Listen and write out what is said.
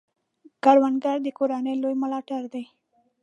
کروندګر د کورنۍ لوی ملاتړی دی